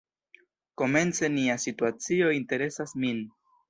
Komence nia situacio interesas min.